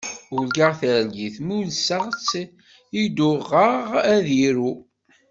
Urgaɣ targit, ma ulseɣ-tt i udɣaɣ ad iru.